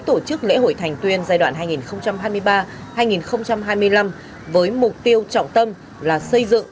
tổ chức lễ hội thành tuyên giai đoạn hai nghìn hai mươi ba hai nghìn hai mươi năm với mục tiêu trọng tâm là xây dựng